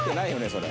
それ」